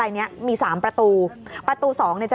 ก็ไม่มีอำนาจ